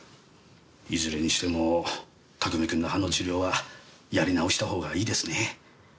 いずれにしても拓海君の歯の治療はやり直した方がいいですね。